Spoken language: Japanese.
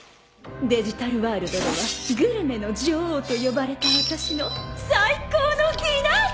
デジタルワールドではグルメの女王と呼ばれた私の最高のディナータイムが。